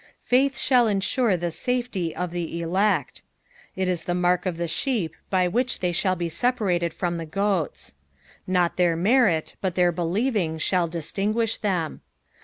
Faith shall ensure tbe safety of the elect. It is tbe mark of the sheep by which they shall be separated from the goats. Not their merit, but their believing, shall distinguish them.